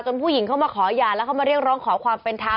ผู้หญิงเข้ามาขอหย่าแล้วเขามาเรียกร้องขอความเป็นธรรม